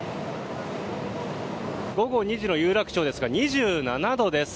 午後２時の有楽町ですが２７度です。